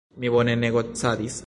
Mi bone negocadis.